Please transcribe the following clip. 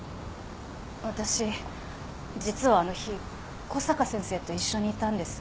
私実はあの日小坂先生と一緒にいたんです。